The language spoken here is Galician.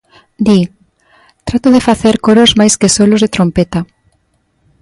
Di: Trato de facer coros máis que solos de trompeta.